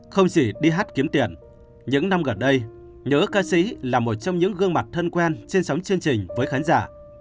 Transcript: không chỉ đi hát kiếm tiền những năm gần đây nhớ ca sĩ là một trong những gương mặt thân quen trên sóng chương trình với khán giả